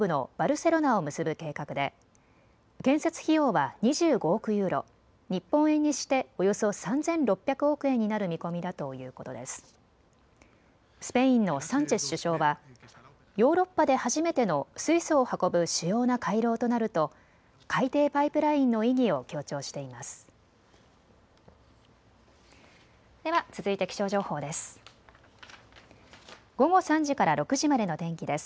スペインのサンチェス首相はヨーロッパで初めての水素を運ぶ主要な回廊となると海底パイプラインの意義を強調しています。